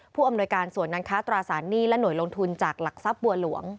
ผู้อำนวยการส่วนนั้นค้าตราสารหนี้และหน่วยลงทุนจากหลักทรัพย์บัวหลวง